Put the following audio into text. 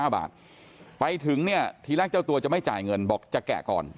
๕บาทไปถึงเนี่ยทีแรกเจ้าตัวจะไม่จ่ายเงินบอกจะแกะก่อน